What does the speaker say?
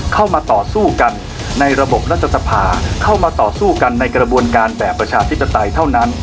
เข้ามาต่อสู้กันในระบบรัฐสภาเข้ามาต่อสู้กันในกระบวนการแบบประชาธิปไตยเท่านั้น